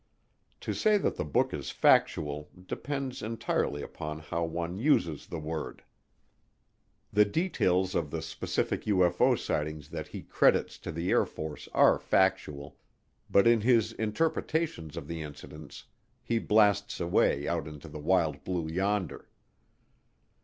To say that the book is factual depends entirely upon how one uses the word. The details of the specific UFO sightings that he credits to the Air Force are factual, but in his interpretations of the incidents he blasts way out into the wild blue yonder.